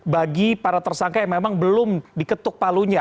bagi para tersangka yang memang belum diketuk palunya